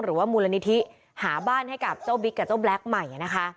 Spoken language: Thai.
หรือว่ามูลนิธิหาบ้านให้กับเจ้าบิ๊กกับเจ้าแล็คใหม่นะคะ